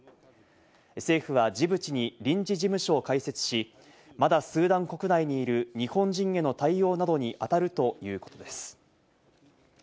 政府はジブチに臨時事務所を開設し、まだスーダン国内にいる日本人への対応などにあたるということです。